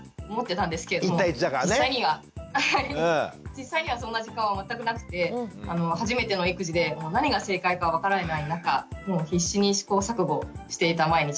実際にはそんな時間は全くなくて初めての育児で何が正解か分からない中もう必死に試行錯誤していた毎日でした。